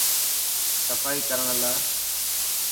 صفائي ڪرڻ لاءِ.